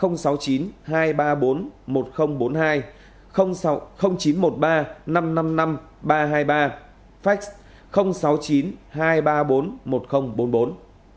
thực hiện nghiêm chế độ thông tin báo cáo về văn phòng bộ số điện thoại sáu mươi chín hai trăm ba mươi bốn một nghìn bốn mươi hai chín trăm một mươi ba năm trăm năm mươi năm ba trăm hai mươi ba fax sáu mươi chín hai trăm ba mươi bốn một nghìn bốn mươi bốn